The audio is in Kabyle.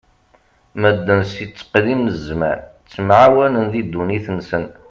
Medden si tteqdim n zzman ttemɛawanen di ddunit-nsen.